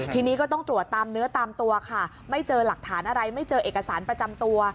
ทีนี้ก็ต้องตรวจตามเนื้อตามตัวค่ะไม่เจอหลักฐานอะไรไม่เจอเอกสารประจำตัว